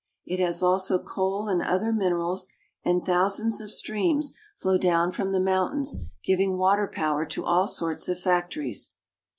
It has also coal and other minerals, and thousands of streams flow 9 6 FRANCE. down from the mountains, giving water power to all sorts of factories.